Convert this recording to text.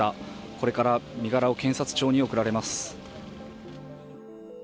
これから身柄を検察庁に送られます。